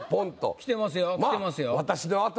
きてますよ。